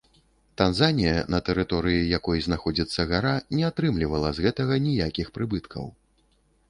Танзанія, на тэрыторыі якой знаходзіцца гара, не атрымлівала з гэтага ніякіх прыбыткаў.